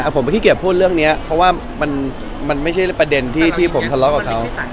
ผมไม่ขี้เกียจพูดเรื่องนี้เพราะว่ามันไม่ใช่ประเด็นที่ผมทะเลาะกับเขา